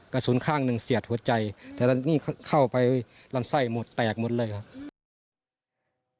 กระสุนข้างหนึ่งเสียดหัวใจแต่นี่เข้าไปลำไส้หมดแตกหมดเลยครับ